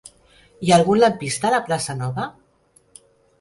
Hi ha algun lampista a la plaça Nova?